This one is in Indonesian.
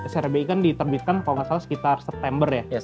serbi kan diterbitkan kalau nggak salah sekitar september ya